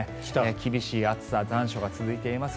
厳しい暑さ残暑が続いています。